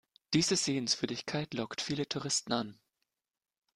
Diese Sehenswürdigkeit lockt viele Touristen an.